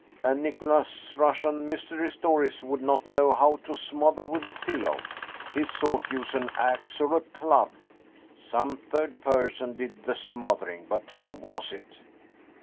And Nicholas Russian Mystery Stories would not know how to smother with a pillow. His sort use an ax or a club. Some third person did the smother ing ; but who was it